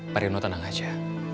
pak reno tenang aja